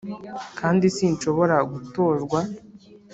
kandi sinshobora gutozwa